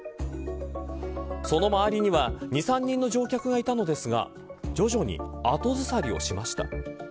その周りには２、３人の乗客がいたのですが徐々に後ずさりをしました。